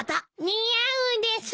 似合うです！